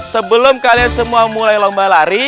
sebelum kalian semua mulai lomba lari